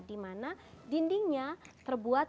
di mana dindingnya terbuat dengan jendela yang berbentuk limas